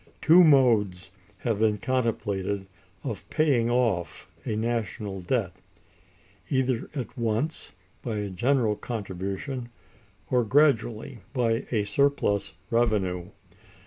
Two modes have been contemplated of paying off a national debt: either at once by a general contribution, or gradually by a surplus revenue.